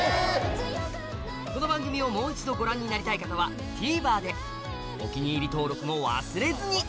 この番組をもう一度ご覧になりたい方はＴＶｅｒでお気に入り登録も忘れずに！